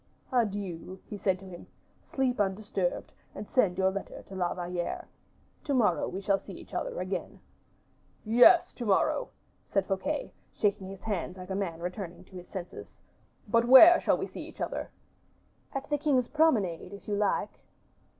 "Adieu," he said to him, "sleep undisturbed, and send your letter to La Valliere. To morrow we shall see each other again." "Yes, to morrow," said Fouquet, shaking his hands like a man returning to his senses. "But where shall we see each other?" "At the king's promenade, if you like."